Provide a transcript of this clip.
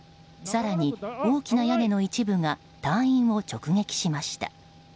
更に大きな屋根の一部が隊員を直撃しました。